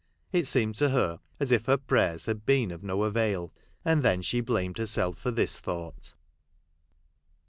It seemed to her as if her prayers had been of no avail ; and then she blamed herself for this thought.